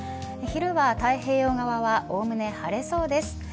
昼は太平洋側はおおむね晴れそうです。